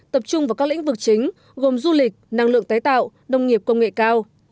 tập trung vào các lĩnh vực chính gồm du lịch năng lượng tái tạo nông nghiệp công nghệ cao